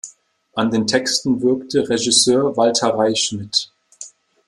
An den Texten wirkte Regisseur Walter Reisch mit.